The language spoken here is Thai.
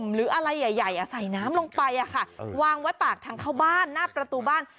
หรืออะไรใหญ่ใส่น้ำลงไปวางไว้ปากทางเข้าบ้านหน้าประตูบ้าน